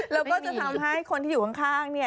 แล้วก็จะทำให้คนที่อยู่ข้างเนี่ย